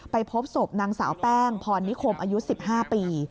พบศพนางสาวแป้งพรนิคมอายุ๑๕ปี